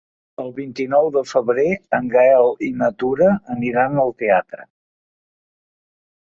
El vint-i-nou de febrer en Gaël i na Tura aniran al teatre.